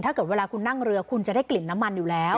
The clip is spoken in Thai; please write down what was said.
ถ้าเกิดเวลาคุณนั่งเรือคุณจะได้กลิ่นน้ำมันอยู่แล้ว